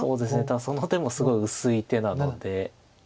ただその手もすごい薄い手なので。